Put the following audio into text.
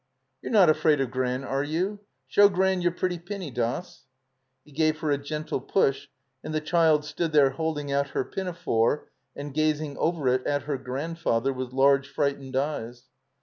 "You're not afraid of Gran, are you? Show Gran your pretty pinny. Doss." He gave her a gentle push, and the child stood there holding out her pinafore and gazing over it at her grandfather with large, frightened eyes.